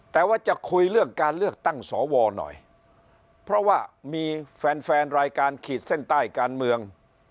แต่ว่าจะคุยเรื่องการเลือกตั้งสวหน่อยเพราะว่ามีแฟนแฟนรายการขีดเส้นใต้การเมือง